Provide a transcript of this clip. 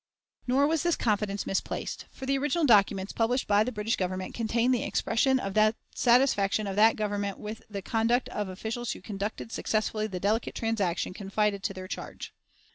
Nor was this confidence misplaced; for the official documents published by the British Government contained the expression of the satisfaction of that Government with the conduct of officials who conducted successfully the delicate transaction confided to their charge.